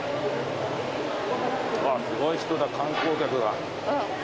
すごい人だ観光客が。